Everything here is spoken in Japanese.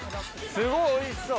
すごいおいしそう。